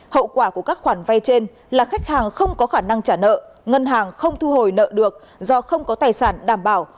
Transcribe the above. hậu quả của các khoản vay trên là khách hàng không có khả năng trả nợ ngân hàng không thu hồi nợ được do không có tài sản đảm bảo